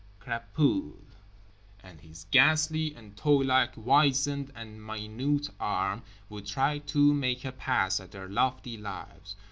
CRAPULES!_" And his ghastly and toylike wizened and minute arm would try to make a pass at their lofty lives.